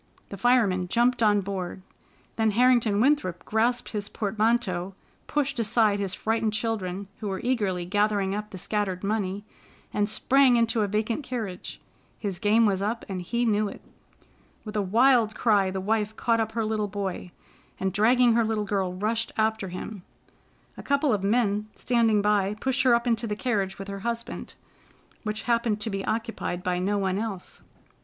The fireman jumped on, board. Then Harrington Winthrop grasped his portmanteau, pushed aside his frightened children, who were eagerly gathering up the scattered money, and sprang into a vacant carriage. His game was up and he knew it. With a wild cry, the wife caught up her little boy, and, dragging her little girl, rushed after him. A couple of men standing by pushed her up into the carriage with her husband, which happened to be occupied by no one else.